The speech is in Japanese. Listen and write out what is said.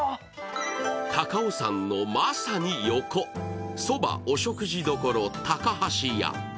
高尾山のまさに横、そば・お食事処高橋家。